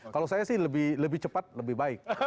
kalau saya sih lebih cepat lebih baik